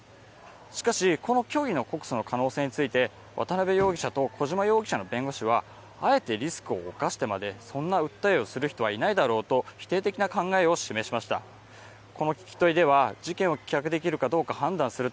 しかし、この虚偽の告訴の可能性について渡辺容疑者と小島容疑者の弁護士はあえてリスクを冒してまでそんな訴えをする人はいないだろうと否定的な考えを示しました。